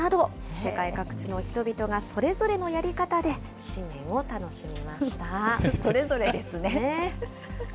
世界各地の人々がそれぞれのやりそれぞれですね。